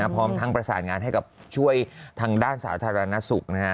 พร้อมทั้งประสานงานให้กับช่วยทางด้านสาธารณสุข